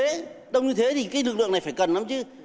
đông đến như thế thì cái lực lượng này phải cần lắm chứ